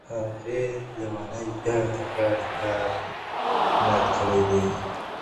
هغې لېونۍ بيا د غاړي هار مات کړئ دئ